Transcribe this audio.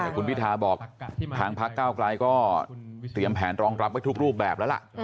คุณพิทาบอกทางพักเก้าไกลก็เตรียมแผนรองรับไว้ทุกรูปแบบแล้วล่ะ